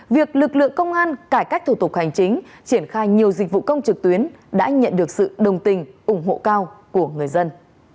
việc lực lượng công an cải cách thủ tục hành chính triển khai nhiều dịch vụ công trực tuyến đã nhận được sự đồng tình ủng hộ cao của người dân